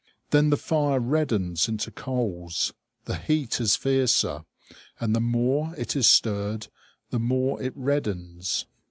Then the fire reddens into coals. The heat is fiercer; and the more it is stirred, the more it reddens.